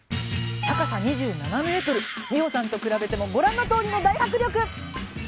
美穂さんと比べてもご覧のとおりの大迫力！